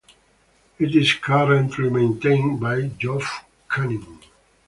It is currently maintained by Geoff Kuenning.